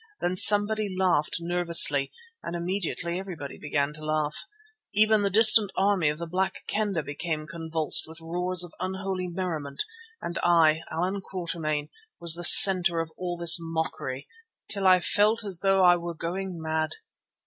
Then somebody laughed nervously, and immediately everybody began to laugh. Even the distant army of the Black Kendah became convulsed with roars of unholy merriment and I, Allan Quatermain, was the centre of all this mockery, till I felt as though I were going mad.